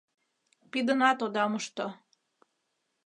— Пидынат ода мошто.